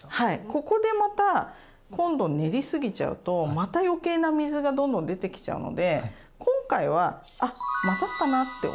ここでまた今度練り過ぎちゃうとまた余計な水がどんどん出てきちゃうので今回はあっ混ざったなって思うぐらい。